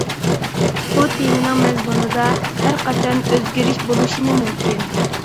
بۇ تېمىنىڭ مەزمۇنىدا ھەرقاچان ئۆزگىرىش بولۇشىمۇ مۇمكىن.